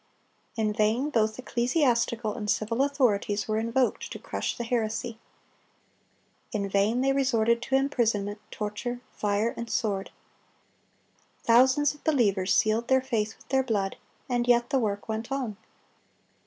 In vain both ecclesiastical and civil authorities were invoked to crush the heresy. In vain they resorted to imprisonment, torture, fire, and sword. Thousands of believers sealed their faith with their blood, and yet the work went on.